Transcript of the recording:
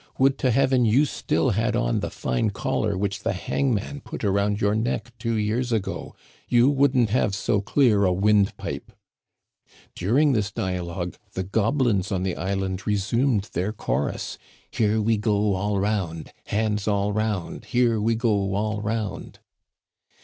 * Would to Heaven you still had on the fine collar which the hangman put around your neck two years ago. You wouldn't have so clear a wind pipe.' " During this dialogue the goblins on the island re sumed their chorus :Here we go all round, Hands all round, Here we go all round.'